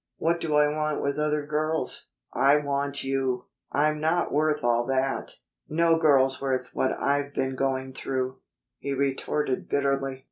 What do I want with other girls? I want you!" "I'm not worth all that." "No girl's worth what I've been going through," he retorted bitterly.